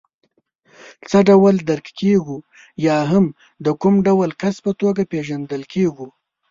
څه ډول درک کېږو یا هم د کوم ډول کس په توګه پېژندل کېږو.